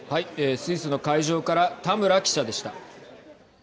スイスの会場から田村記者でした。